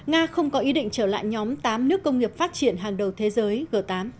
nga không có ý định trở lại nhóm tám nước công nghiệp phát triển hàng đầu thế giới g tám